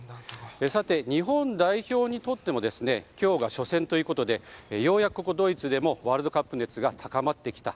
さて、日本代表にとっても今日が初戦ということでようやくここ、ドイツでもワールドカップ熱が高まってきた。